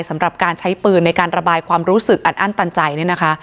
สำหรับการใช้ปืนในการระบายความรู้สึกอัดอั้นตันใจเนี่ยนะคะ